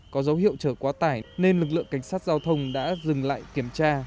có dấu hiệu chở quá tải nên lực lượng cảnh sát giao thông đã dừng lại kiểm tra